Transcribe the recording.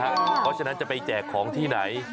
เพราะฉะนั้นจะไปแจกของที่ไหน